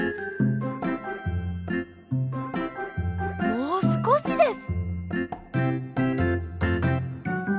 もうすこしです。